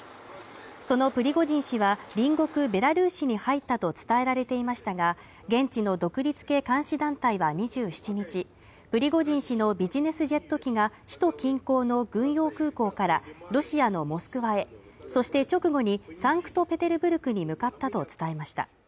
そのプリゴジン氏は、隣国ベラルーシに入ったと伝えられていましたが、現地の独立系監視団体は２７日プリゴジン氏のビジネスジェット機が首都近郊の軍用空港からロシアのモスクワへ、そして直後にサンクトペテルブルクに向かったと伝えました。